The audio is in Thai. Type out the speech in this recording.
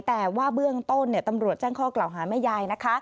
แต่ว่าเบื้องต้นตำรวจแจ้งข้อกล่าวหาแม่ยายนะคะ